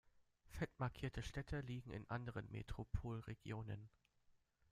Fett markierte Städte liegen in anderen Metropolregionen.